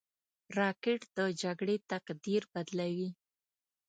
راکټ د جګړې تقدیر بدلوي